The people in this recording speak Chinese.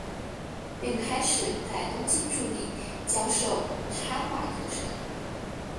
并开始在东京筑地教授插画课程。